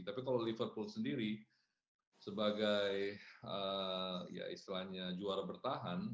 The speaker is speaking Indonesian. tapi kalau liverpool sendiri sebagai ya istilahnya juara bertahan